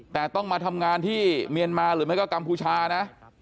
แต่ต้องมาทำงานที่เมียนมาหรือไม่ก็กัมพูชานะ